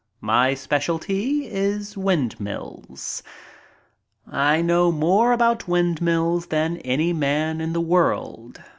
My specialty is windmills. I know more about windmills than any man in the world.